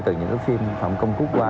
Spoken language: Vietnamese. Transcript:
từ những cái phim phạm công quốc qua